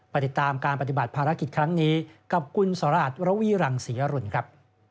ติดตามการปฏิบัติภารกิจครั้งนี้กับคุณสราชระวีรังศรีอรุณครับ